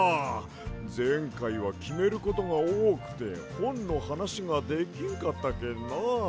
ぜんかいはきめることがおおくてほんのはなしができんかったけんな。